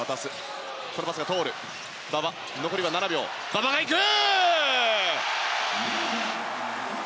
馬場がいく！